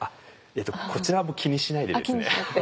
こちらはもう気にしないでですね。